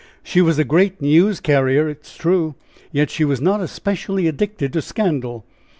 She was a great news carrier, it is true, yet she was not especially addicted to scandal.